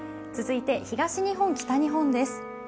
続いて東日本、北日本です。